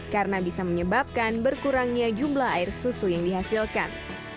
karena bisa menyebabkan berkurangnya jumlah air susu yang dihasilkan